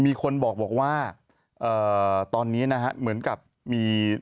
มีคนบอกว่าตอนนี้นะฮะเหมือนกับมี